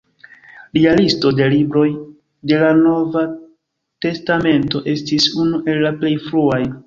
Lia listo de libroj de la Nova testamento estis unu el la plej fruaj.